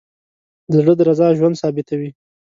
د زړه درزا ژوند ثابتوي.